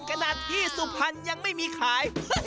ขณะที่สุพันธ์ยังไม่มีขาย